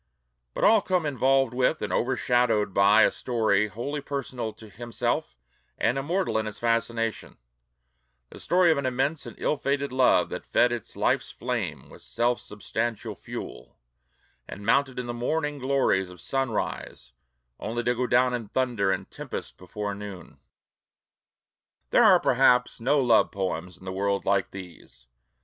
But all come involved with and overshadowed by a story wholly personal to himself and immortal in its fascination: the story of an immense and ill fated love that "fed its life's flame with self substantial fuel," and mounted in the morning glories of sunrise only to go down in thunder and tempest before noon. There are perhaps no love poems in the world like these.